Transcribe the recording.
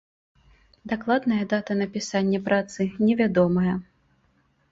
Дакладная дата напісання працы невядомая.